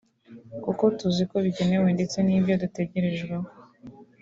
kuko tuzi ko bikenewe ndetse n’ibyo dutegerejweho